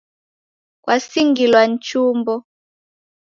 Kwasingilwa ni chumbo